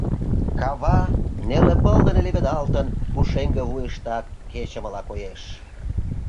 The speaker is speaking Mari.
Кава, неле пыл дене леведалтын, пушеҥге вуйыштак кечымыла коеш.